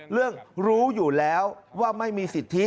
รู้อยู่แล้วว่าไม่มีสิทธิ